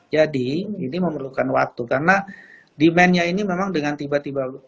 jadi ini memerlukan waktu karena demandnya ini memang dengan tiba tiba